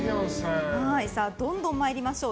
どんどん参りましょう。